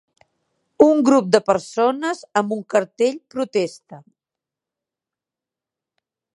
Un grup de persones amb un cartell protesta.